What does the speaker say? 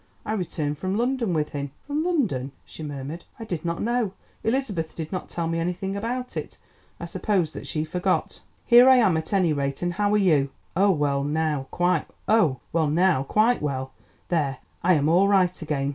I returned from London with him." "From London," she murmured. "I did not know; Elizabeth did not tell me anything about it. I suppose that she forgot." "Here I am at any rate, and how are you?" "Oh, well now, quite well. There, I am all right again.